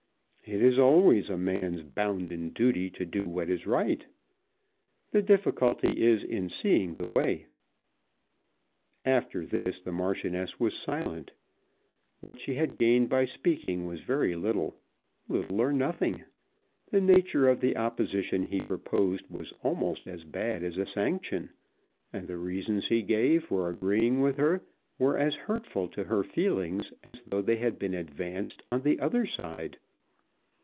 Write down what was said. "It is always a man's bounden duty to do what is right. The difficulty is in seeing the way." After this the Marchioness was silent. What she had gained by speaking was very little, little or nothing. The nature of the opposition he proposed was almost as bad as a sanction, and the reasons he gave for agreeing with her were as hurtful to her feelings as though they had been advanced on the other side.